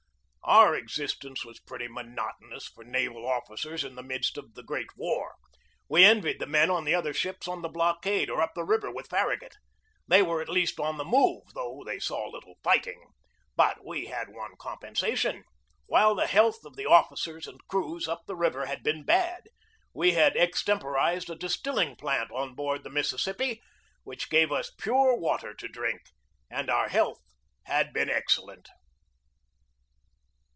Our existence was pretty monotonous for naval officers in the midst of the great war. We envied the men on the other ships on the blockade or up the river with Farragut. They were at least on the move, though they saw little fighting. But we had one compensation. While the health of the officers and crews up the river had been bad, we had extem porized a distilling plant on board the Mississippi which gave us pure water to drink, and our health had been excellent.